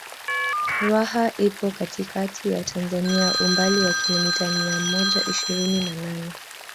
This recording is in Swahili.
Ruaha ipo katikati ya Tanzania umbali wa kilomita mia moja ishirini na nane